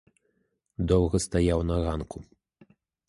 Доўга стаяў на ганку.